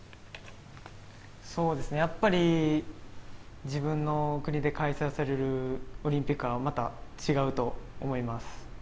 そうですね、やっぱり自分の国で開催されるオリンピックはまた違うと思います。